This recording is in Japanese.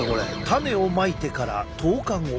種をまいてから１０日後。